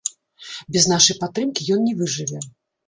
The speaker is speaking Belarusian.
Без нашай падтрымкі ён не выжыве.